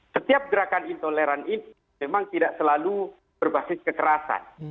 setiap gerakan intoleran ini memang tidak selalu berbasis kekerasan